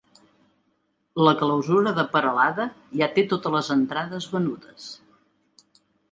La clausura de Peralada ja té totes les entrades venudes